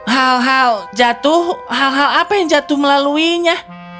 hal hal jatuh hal hal apa yang jatuh melaluinya